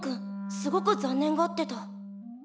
すごく残念がってた。